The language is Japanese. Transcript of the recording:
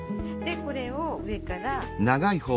でこれを上から広げて。